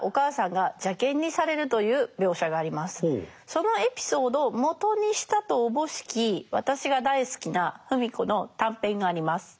そのエピソードをもとにしたとおぼしき私が大好きな芙美子の短編があります。